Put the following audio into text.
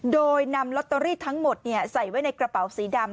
โดยนำลอตเตอรี่ทั้งหมดใส่ไว้ในกระเป๋าสีดำ